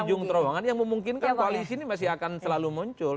ujung terowongan yang memungkinkan koalisi ini masih akan selalu muncul